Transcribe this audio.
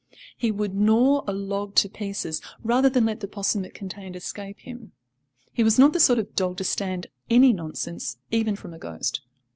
He would gnaw a log to pieces rather than let the 'possum it contained escape him. He was not the sort of dog to stand any nonsense even from a ghost.